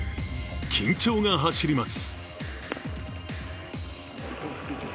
緊張が走ります。